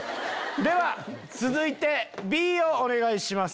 では続いてＢをお願いします。